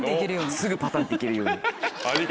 すぐパタンって行けるように。